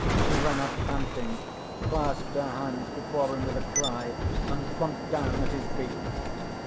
She ran up panting, clasped her hands before him with a cry, and plumped down at his feet.